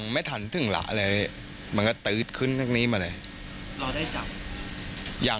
ไม่ถันถึงหละเลยมันก็ตื๊ดขึ้นมาเลย